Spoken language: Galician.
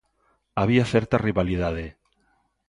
Había certa rivalidade.